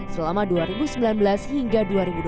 selama dua ribu sembilan belas hingga dua ribu dua puluh